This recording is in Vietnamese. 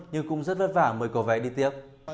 nhưng cũng rất vất vả mới có vé đi tiếp